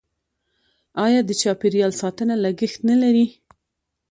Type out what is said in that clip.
آیا د چاپیریال ساتنه لګښت نلري؟